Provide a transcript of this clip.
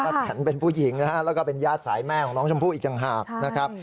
แตนเป็นผู้หญิงนะฮะแล้วก็เป็นญาติสายแม่ของน้องชมพู่อีกต่างหากนะครับ